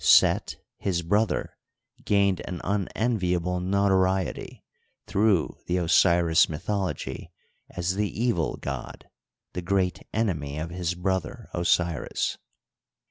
Set, his brother, gained an unenviable notoriety through the Osiris mjrthology, as the evil god — ^the great enemy of his brother Osiris.